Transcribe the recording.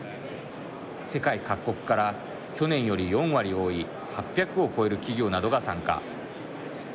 世界各国から去年より４割多い８００を超える企業などが参加。